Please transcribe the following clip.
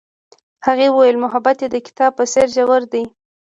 هغې وویل محبت یې د کتاب په څېر ژور دی.